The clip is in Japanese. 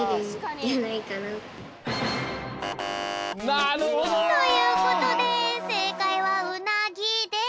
なるほど！ということでせいかいはうなぎでした。